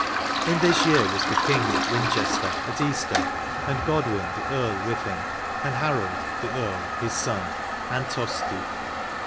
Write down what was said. In this year was the King at Win chester, at Easter, and Godwin, the earl with him, and Harold, the earl, his son, and Tosty.